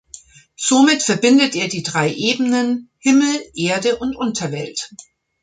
Somit verbindet er die drei Ebenen Himmel, Erde und Unterwelt.